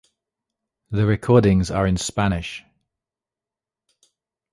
The recordings are in Spanish.